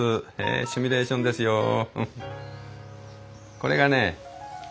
これがね